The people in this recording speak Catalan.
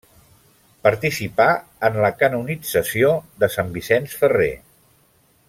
Participà en la canonització de Sant Vicent Ferrer.